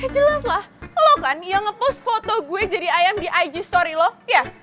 jelas lah lo kan yang ngepost foto gue jadi ayam di ig story loh